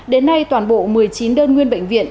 đến nay toàn bộ một mươi chín đơn nguyên bệnh viện